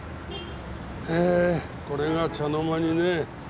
へえこれが茶の間にね。